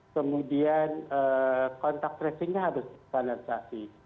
kemudian kontak tracingnya harus ditanalisasi